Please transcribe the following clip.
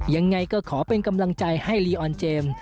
ยังไงก็ขอเป็นกำลังใจให้ลีออนเจมส์